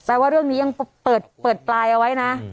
ว่าเรื่องนี้ยังเปิดปลายเอาไว้นะ